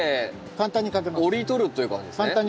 簡単にかけます。